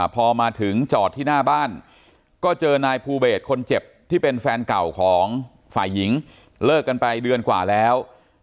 พอมาถึงจอดที่หน้าบ้านก็เจอนายภูเบสคนเจ็บที่เป็นแฟนเก่าของฝ่ายหญิงเลิกกันไปเดือนกว่าแล้ว